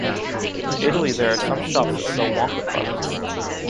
In Italy there are some shops that sell Wonka products.